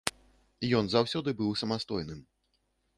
Ён заўсёды быў самастойным.